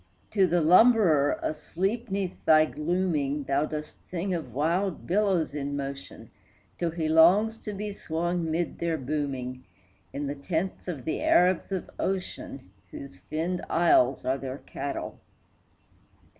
To the lumberer asleep 'neath thy glooming Thou dost sing of wild billows in motion, Till he longs to be swung mid their booming In the tents of the Arabs of ocean, Whose finned isles are their cattle.